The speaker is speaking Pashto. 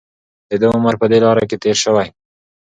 د ده عمر په دې لاره کې تېر شوی.